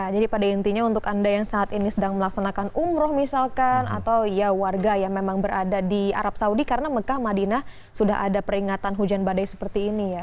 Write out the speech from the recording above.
jadi pada intinya untuk anda yang saat ini sedang melaksanakan umroh misalkan atau warga yang memang berada di arab saudi karena mekah madinah sudah ada peringatan hujan badai seperti ini ya